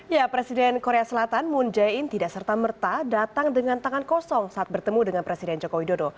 ya presiden korea selatan moon jae in tidak serta merta datang dengan tangan kosong saat bertemu dengan presiden joko widodo